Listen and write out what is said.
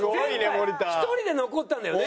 前回１人で残ったんだよね。